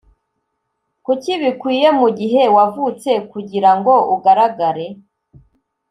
kuki bikwiye mugihe wavutse kugirango ugaragare?